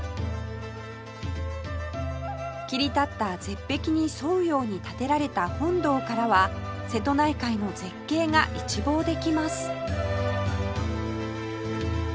切り立った絶壁に沿うように建てられた本堂からは瀬戸内海の絶景が一望できます